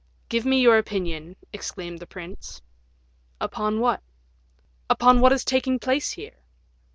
"Give me your opinion," exclaimed the prince. "Upon what?" "Upon what is taking place here."